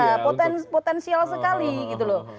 ya potensial sekali gitu loh